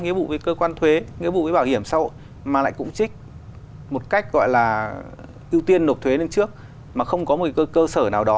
nghĩa vụ với cơ quan thuế nghĩa vụ với bảo hiểm xã hội mà lại cũng trích một cách gọi là ưu tiên nộp thuế lên trước mà không có một cơ sở nào đó